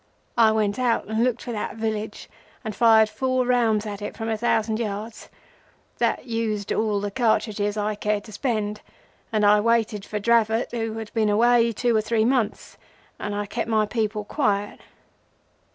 I went out and looked for that village and fired four rounds at it from a thousand yards. That used all the cartridges I cared to spend, and I waited for Dravot, who had been away two or three months, and I kept my people quiet.